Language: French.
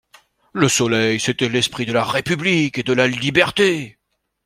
Le soleil c'était l'esprit de la République et de la Liberté!